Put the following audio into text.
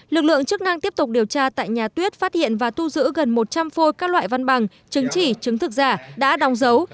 lực lượng chức năng tiếp tục điều tra tại nhà tuyết phát hiện và thu giữ gần một trăm linh phôi các loại văn bằng chứng chỉ chứng thực giả đã đong dấu